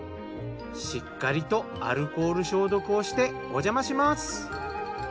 しっかりとアルコール消毒をしておじゃまします。